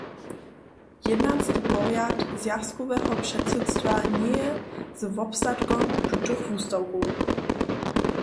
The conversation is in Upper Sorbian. Jednanski porjad zwjazkoweho předsydstwa njeje z wobstatkom tutych wustawkow.